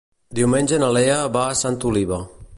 Diumenge na Lea va a Santa Oliva.